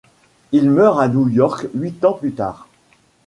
Il meurt à New York huit ans plus tard.